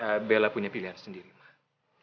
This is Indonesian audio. ya bela punya pilihannya sendiri gostium